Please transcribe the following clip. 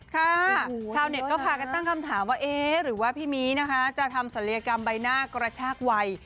ค่ะชาวเน็ตก็พากันตั้งคำถามว่าเอ๊ะหรือว่าพี่มีนะคะจะทำศัลยกรรมใบหน้ากระชากวัย